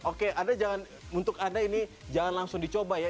oke untuk anda ini jangan langsung dicoba ya